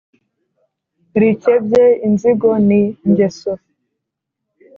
rikebye inzigo ni ngeso